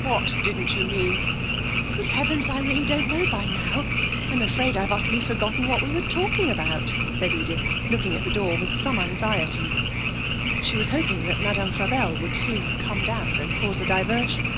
'What didn't you mean?' 'Good heavens, I really don't know by now! I'm afraid I've utterly forgotten what we were talking about,' said Edith, looking at the door with some anxiety. She was hoping that Madame Frabelle would soon come down and cause a diversion.